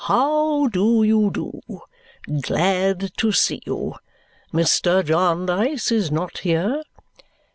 "How do you do? Glad to see you. Mr. Jarndyce is not here?"